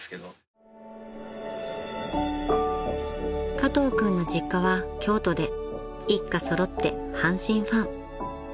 ［加藤君の実家は京都で一家揃って阪神ファン］